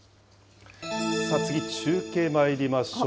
次、中継まいりましょう。